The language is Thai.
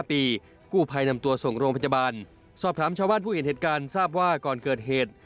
ส่วนลูกพิจารณ์ปัจจบาร์สอบถามชาวบ้านบุญเหตุการณ์สาปว่าก่อนเกิดเหตุ